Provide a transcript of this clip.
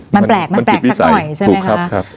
มันแปลกสักหน่อยใช่ไหมคะ